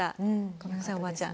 ごめんなさいおばあちゃん。